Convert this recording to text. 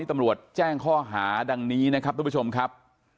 ตำรวจแจ้งข้อหาดังนี้นะครับทุกผู้ชมครับ